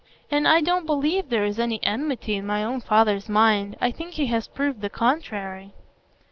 And I don't believe there is any enmity in my own father's mind; I think he has proved the contrary."